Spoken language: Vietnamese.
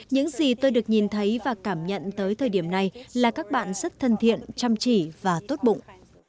những gì tôi được nhìn thấy và cảm nhận tới thời điểm này là các bạn rất thân thiện chăm chỉ và tốt bụng